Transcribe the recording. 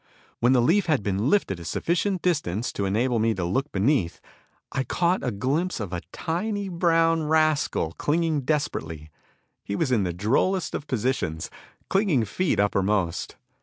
When the leaf had been lifted a sufficient distance to enable me to look beneath, I caught a glimpse of a tiny brown rascal clinging desperately. He was in the drollest of positions, clinging feet uppermost.